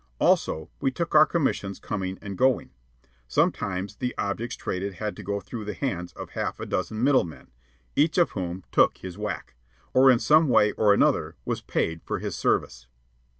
Also, we took our commissions coming and going. Sometimes the objects traded had to go through the hands of half a dozen middle men, each of whom took his whack, or in some way or another was paid for his service.